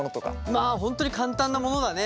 まあ本当に簡単なものだね。